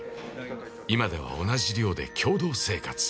今では同じ寮で共同生活。